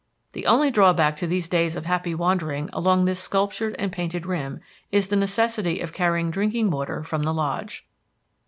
The only drawback to these days of happy wandering along this sculptured and painted rim is the necessity of carrying drinking water from the Lodge.